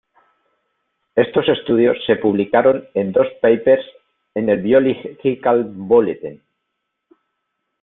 Estos estudios se publicaron en dos papers en el "Biological Bulletin".